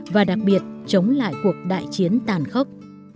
và đặc biệt chống lại cuộc đại chiến tàn khốc